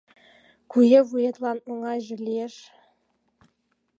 Куэ вуетлан оҥайже лиеш.